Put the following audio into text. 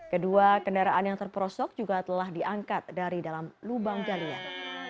kedua kendaraan yang terperosok juga telah diangkat dari dalam lubang galian